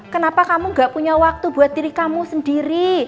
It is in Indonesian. kenapa kamu gak punya waktu buat diri kamu sendiri